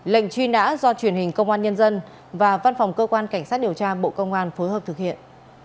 lệnh truy nã do truyền hình công an nhân dân và văn phòng cơ quan cảnh sát điều tra bộ công an phối hợp thực hiện